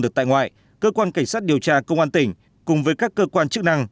được tại ngoại cơ quan cảnh sát điều tra công an tỉnh cùng với các cơ quan chức năng